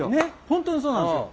本当にそうなんですよ。